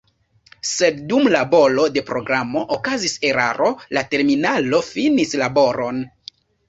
Se dum laboro de programo okazis eraro, la terminalo finis laboron.